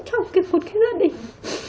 trong một cái gia đình